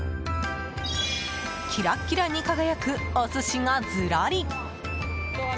キラッキラに輝くお寿司がずらり！